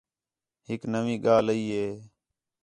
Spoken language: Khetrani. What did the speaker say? ہِک نویں ڳالھ ای ہِے